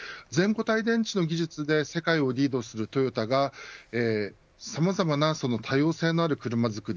全固体電池の技術で世界をリードするトヨタがさまざまな多様性のある車づくり